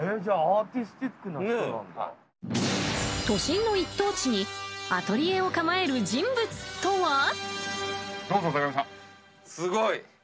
都心の一等地にアトリエを構える人物とは。